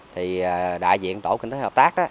thì đại diện tổ kinh tế hợp tác